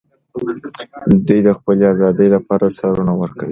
دوی د خپلې ازادۍ لپاره سرونه ورکوي.